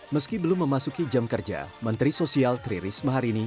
meski belum memasuki jam kerja menteri sosial tri risma hari ini